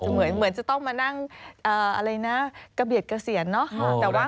เหมือนจะต้องมานั่งเบียดเกษียณเนอะ